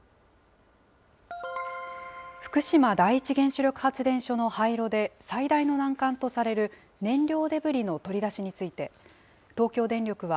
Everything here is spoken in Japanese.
福島第一原子力発電所の廃炉で最大の難関とされる燃料デブリの取り出しについて、東京電力は、